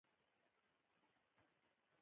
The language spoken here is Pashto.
لعل د افغانستان د طبیعي پدیدو یو رنګ دی.